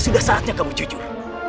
sudah saatnya kamu jujur